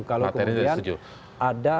kalau kemudian ada aturan